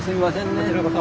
こちらこそ。